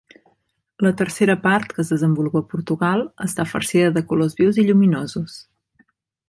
La tercera part, que es desenvolupa a Portugal, està farcida de colors vius i lluminosos.